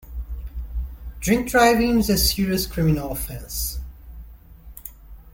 Drink-driving is a serious criminal offence